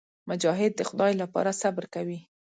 مجاهد د خدای لپاره صبر کوي.